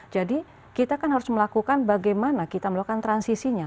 jadi kita kan harus melakukan bagaimana kita melakukan transisinya